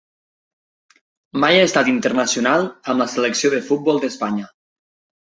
Mai ha estat internacional amb selecció de futbol d'Espanya.